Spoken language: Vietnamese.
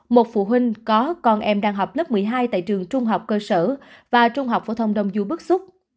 một phụ huynh có con em đang học lớp một mươi hai tại trường trung học cơ sở và trung học phổ thông đông du bức xúc